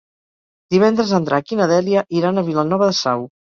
Divendres en Drac i na Dèlia iran a Vilanova de Sau.